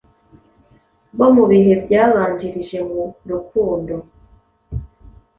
bo mu bihe byabanjirije mu rukundo